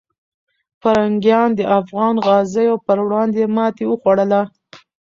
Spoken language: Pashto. پرنګیان د افغان غازیو پر وړاندې ماتې وخوړله.